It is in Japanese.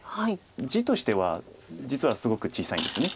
地としては実はすごく小さいんですよねこれ。